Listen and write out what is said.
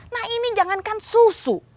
nah ini jangankan susu